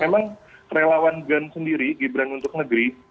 memang relawan ganjar sendiri gibran untuk negeri